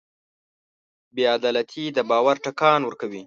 بېعدالتي د باور ټکان ورکوي.